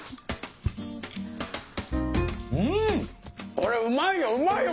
これうまいようまいよ！